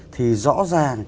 thì rõ ràng